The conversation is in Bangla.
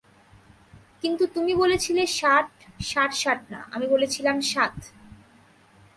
কিন্তু তুমি বলেছিলে ষাট, ষাট ষাট না, আমি বলেছিলাম সাত।